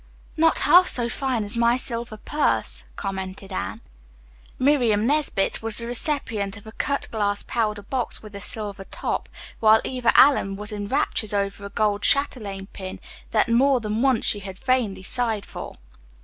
"Not half so fine as my silver purse," commented Anne. Miriam Nesbit was the recipient of a cut glass powder box with a silver top, while Eva Allen was in raptures over a gold chatelaine pin, that more than once she had vainly sighed for.